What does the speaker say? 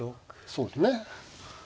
そうですね。